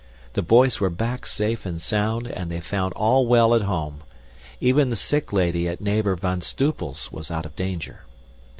The boys were back safe and sound, and they found all well at home. Even the sick lady at neighbor Van Stoepel's was out of danger.